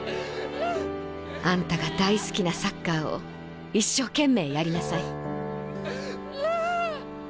あんたが大好きなサッカーを一生懸命やりなさい」。